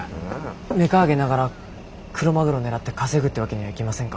メカ揚げながらクロマグロ狙って稼ぐってわけにはいきませんか？